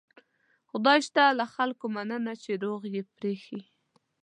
خدای شته له خلکو مننه چې روغ یې پرېښي.